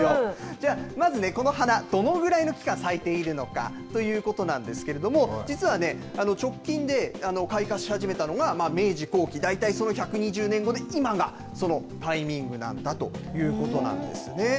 じゃあ、まず、この花、どのぐらいの期間咲いているのかということなんですけれども、実は直近で開花し始めたのが明治後期、大体その１２０年後で今がそのタイミングなんだということなんですね。